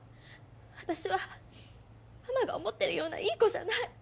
私はママが思ってるようないい子じゃない！